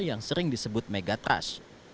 yang sering disebut megatrash